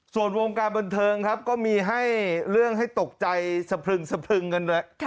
ส่วนวงการบันเทิงครับก็มีให้เรื่องให้ตกใจสะพรึงสะพรึงกันด้วย